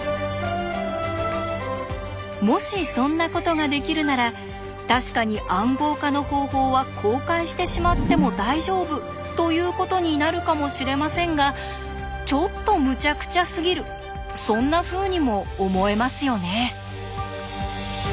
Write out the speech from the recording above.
もしそんなことができるなら確かに「暗号化の方法」は公開してしまっても大丈夫ということになるかもしれませんがちょっとむちゃくちゃすぎるそんなふうにも思えますよね。